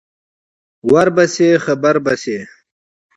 ور به شې خبر به شې.